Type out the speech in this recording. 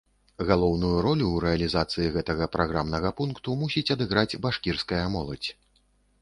Галоўную ролю ў рэалізацыі гэтага праграмнага пункту мусіць адыграць башкірская моладзь.